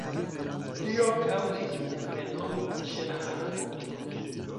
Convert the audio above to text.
Tio kaŭzis lian renomon ĉe la granda publiko.